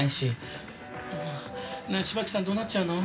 ねえ芝木さんどうなっちゃうの？